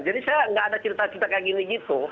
jadi saya nggak ada cerita cerita kayak gini gitu